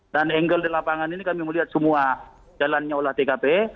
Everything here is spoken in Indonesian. dan angle di lapangan ini kami melihat semua jalannya oleh tkp